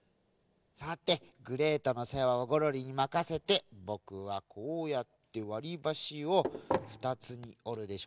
さてグレートのせわをゴロリにまかせてぼくはこうやってわりばしを２つにおるでしょ。